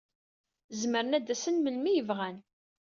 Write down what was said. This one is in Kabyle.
Zemren ad d-asen melmi ay bɣan.